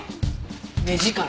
目力！